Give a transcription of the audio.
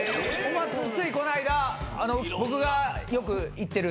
ついこの間僕がよく行ってる。